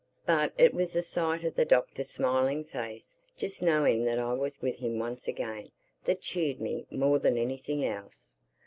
But it was the sight of the Doctor's smiling face—just knowing that I was with him once again—that cheered me more than anything else.